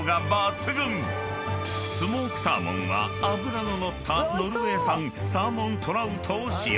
［スモークサーモンは脂の乗ったノルウェー産サーモントラウトを使用］